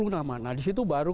dua puluh nama nah disitu baru